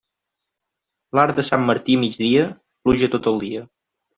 L'arc de Sant Martí a migdia, pluja tot el dia.